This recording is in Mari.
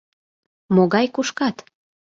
Могай кушкат?